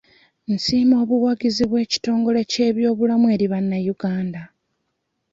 Nsiima obuwagizi bw'ekitongole ky'ebyobulamu eri bannayuganda.